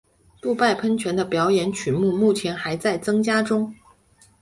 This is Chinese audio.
杜拜喷泉的表演曲目目前还在增加中。